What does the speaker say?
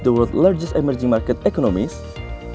sebagai salah satu ekonomi pasar kemarahan terbesar di dunia